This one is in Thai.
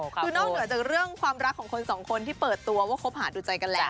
คือนอกเหนือจากเรื่องความรักของคนสองคนที่เปิดตัวว่าคบหาดูใจกันแล้ว